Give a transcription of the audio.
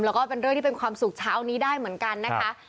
แล้วก็เป็นเรื่องที่เป็นความสุขเช้านี้ได้เหมือนกันนะคะ